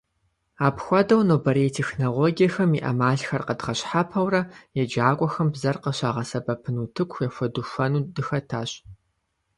Апхуэдэу, нобэрей технологиехэм и Ӏэмалхэр къэдгъэщхьэпэурэ еджакӀуэхэм бзэр къыщагъэсэбэпын утыку яхуэдухуэну дыхэтащ.